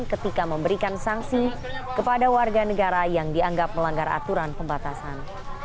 ketika memberikan sanksi kepada warga negara yang dianggap melanggar aturan pembatasan